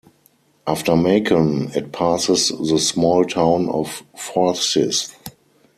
After Macon it passes the small town of Forsyth.